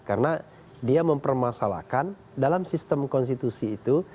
karena dia mempermasalahkan dalam sistem konstitusi itu